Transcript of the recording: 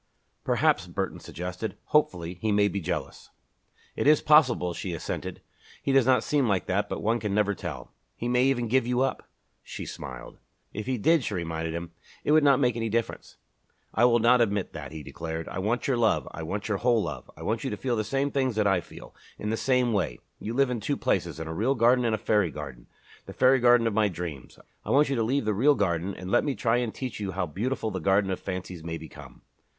"Perhaps," Burton suggested, hopefully, "he may be jealous." "It is possible," she assented. "He does not seem like that but one can never tell." "He may even give you up!" She smiled. "If he did," she reminded him, "it would not make any difference." "I will not admit that," he declared. "I want your love I want your whole love. I want you to feel the same things that I feel, in the same way. You live in two places in a real garden and a fairy garden, the fairy garden of my dreams. I want you to leave the real garden and let me try and teach you how beautiful the garden of fancies may become."